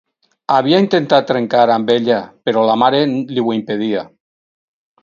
Havia intentat trencar amb ella però la mare li ho impedia.